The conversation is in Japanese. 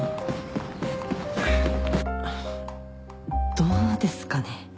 どうですかね。